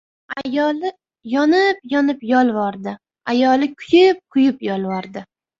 Ayoli yonib-yonib yolvordi, ayoli kuyib-kuyib yolvordi: